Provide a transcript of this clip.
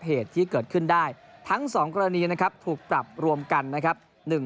เหตุที่เกิดขึ้นได้ทั้ง๒กรณีนะครับถูกปรับรวมกันนะครับ